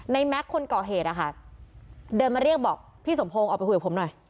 แม็กซ์คนก่อเหตุนะคะเดินมาเรียกบอกพี่สมพงศ์ออกไปคุยกับผมหน่อย